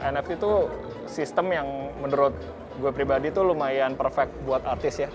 nft itu sistem yang menurut gue pribadi tuh lumayan perfect buat artis ya